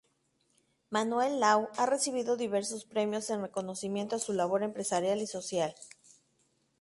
Manuel Lao ha recibido diversos premios en reconocimiento a su labor empresarial y social.